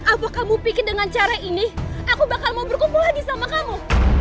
apa kamu pikir dengan cara ini aku bakal mau berkumpul lagi sama kamu